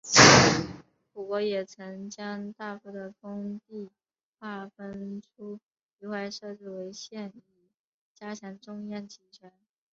晋国也曾将大夫的封地划分出一块设置为县以加强中央集权。